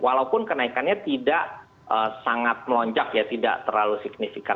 walaupun kenaikannya tidak sangat melonjak ya tidak terlalu signifikan